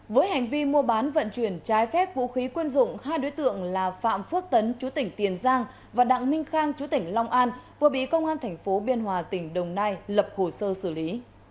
với hành vi mua bán vận chuyển trái phép vũ khí quân dụng hai đối tượng là phạm phước tấn chú tỉnh tiền giang và đặng minh khang chú tỉnh long an vừa bị công an tp biên hòa tỉnh đồng nai lập hồ sơ xử lý